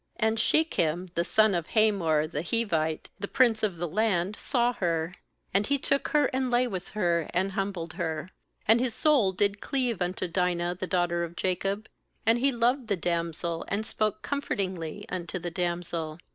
2And Shechem the son of Hamor the Hivite, the prince of the land, saw her; and he took her, and.lay with her, and humbled her. 3And his soul did cleave unto Dinah, the daughter of Jacob, and he loved the damsel, and spoke comfortingly unto the damsel.